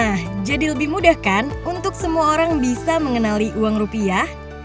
nah jadi lebih mudah kan untuk semua orang bisa mengenali uang rupiah